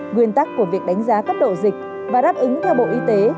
nguyên tắc của việc đánh giá cấp độ dịch và đáp ứng theo bộ y tế